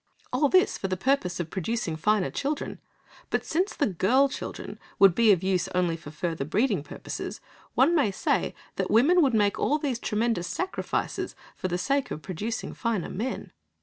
All this for the purpose of producing finer children; but since the girl children would be of use only for further breeding purposes, one may say that women would make all these tremendous sacrifices for the sake of producing finer men.